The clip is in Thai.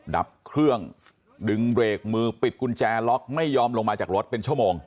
ดับเครื่องดึงเบรกมือปิดกุญแจล็อกไม่ยอมลงมาจากรถเป็นชั่วโมง